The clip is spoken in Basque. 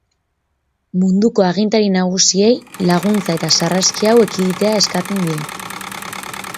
Munduko agintari nagusiei laguntza eta sarraski hau ekiditea eskatzen diegu.